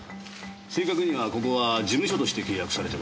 正確にはここは事務所として契約されています。